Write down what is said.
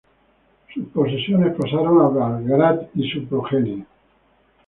Sus posesiones pasaron a Bagrat y su progenie.